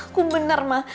aku bener ma